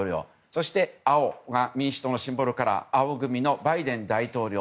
そして、青が民主党のシンボルカラーバイデン大統領。